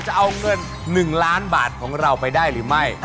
จะเอาเงิน๑ล้านบาทของเราไปได้หรือไม่